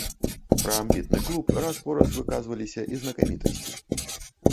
Пра амбітны клуб раз-пораз выказваліся і знакамітасці.